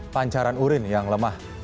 pancaran urin yang lemah